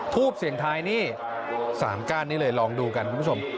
ทูปเสียงท้ายนี่๓ก้านนี้เลยลองดูกันคุณผู้ชม